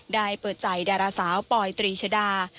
ได้เปิดใจดาราสาวปอยตรีชดา